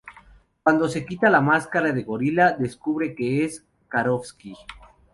Cuando se quita la máscara de gorila, descubre que es Karofsky.